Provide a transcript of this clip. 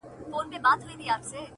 چي كتل يې زما تېره تېره غاښونه،